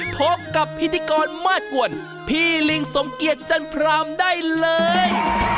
พบกับพิธีกรมาสกวนพี่ลิงสมเกียจจันพรามได้เลย